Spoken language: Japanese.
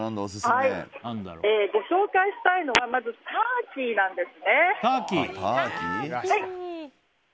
ご紹介したいのはまず、ターキーです。